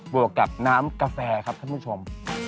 วกกับน้ำกาแฟครับท่านผู้ชม